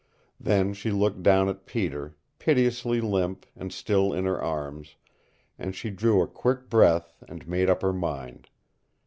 Then she looked down at Peter, piteously limp and still in her arms, and she drew a quick breath and made up her mind.